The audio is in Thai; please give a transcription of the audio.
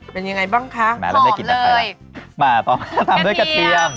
เป็นยังไงบ้างคะแม้เราไม่ได้กินใครแล้วไข่ค่ะมาต่อมาต้องทำด้วยกระเทียม